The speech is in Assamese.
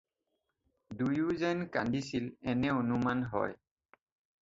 দুয়ো যেন কান্দিছিল এনে অনুমান হয়।